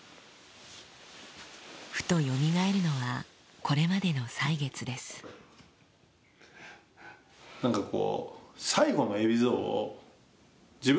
ふとよみがえるのはこれまでの歳月です何かこう。